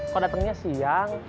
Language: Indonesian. kok datangnya siang